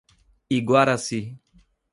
Iguaracy